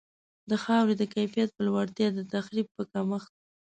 د خاورې د کیفیت په لوړتیا، د تخریب په کمښت.